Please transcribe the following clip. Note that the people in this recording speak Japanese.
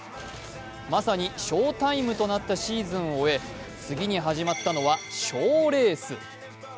まさに翔タイムとなったシーズンを終え、次に始まったのは賞レース。